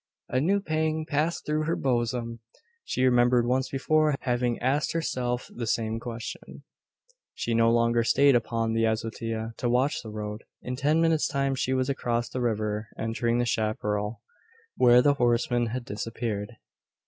A new pang passed through her bosom. She remembered once before having asked herself the same question. She no longer stayed upon the azotea to watch the road. In ten minutes' time she was across the river, entering the chapparal where the horseman had disappeared.